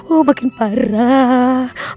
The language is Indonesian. oh makin parah